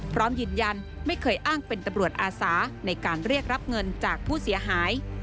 พร้อมยืนยันไม่เคยอ้างเป็นตำรวจอาสาในการเรียกรับเงินจากผู้เสียหาย